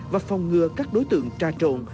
và phòng ngừa các đối tượng tra trộn